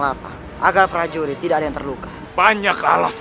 lapar agar prajurit tidak terluka banyak alasan